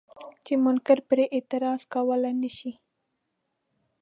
چې منکر پرې اعتراض کولی نه شي.